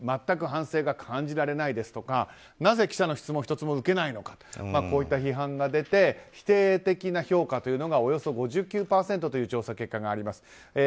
全く反省が感じられないですとかなぜ記者の質問を１つも受けないのかとこういった批判が出て否定的な評価というのがおよそ５９％という調査結果があります。